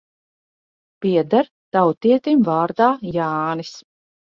Pieder tautietim vārdā Jānis.